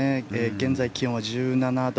現在、気温は１７度。